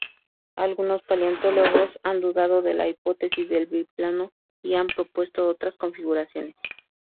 Algunos paleontólogos han dudado de la hipótesis del biplano, y han propuesto otras configuraciones.